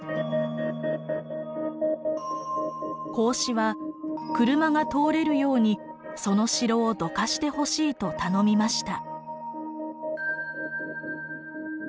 孔子は車が通れるようにその城をどかしてほしいと頼みました。